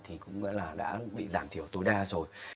thì cũng đã bị giảm thiểu tối đa rồi